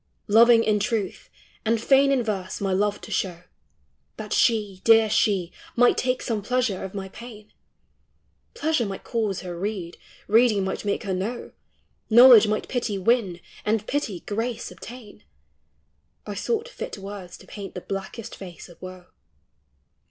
Loving in truth, and fain in verse my love to show, That she, dear she, might take some pleasure of my pain, — Pleasure might cause her read, reading might make her know, Knowledge might pity win, and pity grace obtain, — I sought fit words to paint the blackest face of woe ; THOUGHT: POETRY: BOOK*.